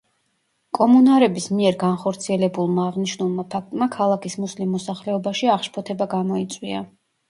კომუნარების მიერ განხორციელებულმა აღნიშნულმა ფაქტმა ქალაქის მუსლიმ მოსახლეობაში აღშფოთება გამოიწვია.